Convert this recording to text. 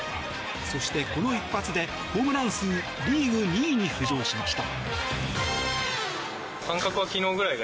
そして、この一発でホームラン数リーグ２位に浮上しました。